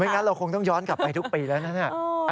ไม่งั้นเราคงต้องย้อนกลับไปทุกปีแล้วนะ